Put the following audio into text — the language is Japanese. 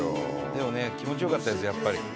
「でもね気持ち良かったですよやっぱり」